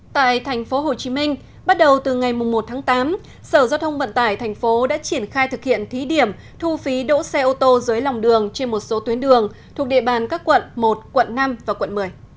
tại thành phố hồ chí minh bắt đầu từ ngày một tháng tám sở giao thông bận tải thành phố đã triển khai thực hiện thí điểm thu phí đỗ xe ô tô dưới lòng đường trên một số tuyến đường thuộc địa bàn các quận một quận năm và quận một mươi